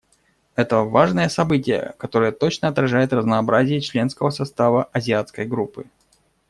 Это важное событие, которое точно отражает разнообразие членского состава Азиатской группы.